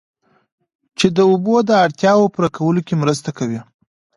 چې د اوبو د اړتیاوو پوره کولو کې مرسته وکړي